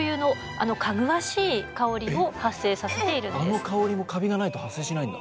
あの香りもカビがないと発生しないんだ。